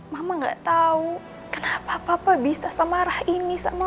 mama gak tau kenapa papa bisa semarah ini sama mama